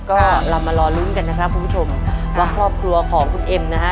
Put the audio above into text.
ก็เรามารอลุ้นกันนะครับคุณผู้ชมว่าครอบครัวของคุณเอ็มนะฮะ